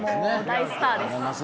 大スターです。